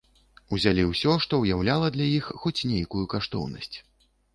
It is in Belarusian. Узялі ўсё, што ўяўляла для іх хоць нейкую каштоўнасць.